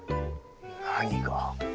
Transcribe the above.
何が？